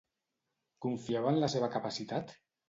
Confiava en la seva capacitat?